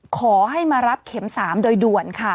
ขอให้มารับเข็ม๓โดยด่วนค่ะ